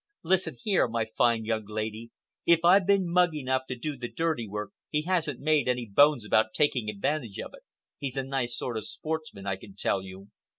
Listen here, my fine young lady. If I've been mug enough to do the dirty work, he hasn't made any bones about taking advantage of it. He's a nice sort of sportsman, I can tell you."